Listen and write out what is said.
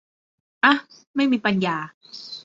อ่ะ ไม่มีปัญญา